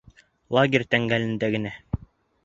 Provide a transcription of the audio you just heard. — Лагерь тәңгәлендә генә.